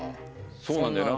そうなんだよな。